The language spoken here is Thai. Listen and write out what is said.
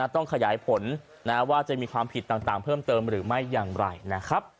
ต้องขยายผลว่าจะมีความผิดต่างเพิ่มเติมหรือไม่อย่างไรนะครับ